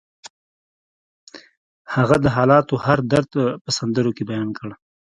هغه د حالاتو هر درد په سندرو کې بیان کړ